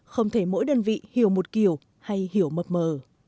không thể mỗi đơn vị hiểu một kiểu hay hiểu mập mờ